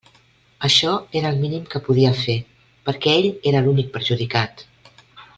Això era el mínim que podia fer, perquè ell era l'únic perjudicat.